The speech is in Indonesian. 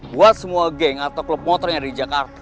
buat semua geng atau klub motor yang ada di jakarta